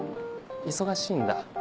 忙しいんだ？